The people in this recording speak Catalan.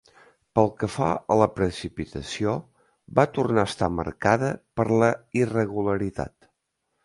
Pel que fa a la precipitació, va tornar a estar marcada per la irregularitat.